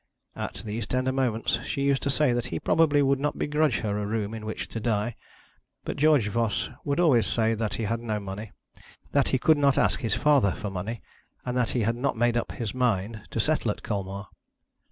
At these tender moments she used to say that he probably would not begrudge her a room in which to die. But George Voss would always say that he had no money, that he could not ask his father for money, and that he had not made up his mind to settle at Colmar.